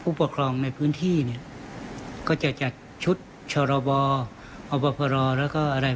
ปกครองในพื้นที่เนี่ยก็จะจัดชุดชรบอบพรแล้วก็อะไร